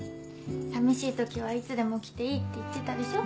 寂しいときはいつでも来ていいって言ってたでしょ？